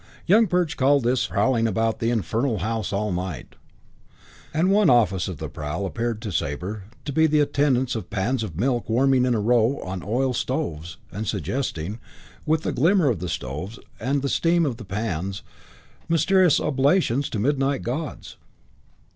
Young Perch called this "Prowling about the infernal house all night"; and one office of the prowl appeared to Sabre to be the attendance of pans of milk warming in a row on oil stoves and suggesting, with the glimmer of the stoves and the steam of the pans, mysterious oblations to midnight gods.